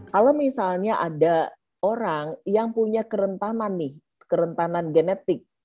kalau misalnya ada orang yang punya kerentanan genetik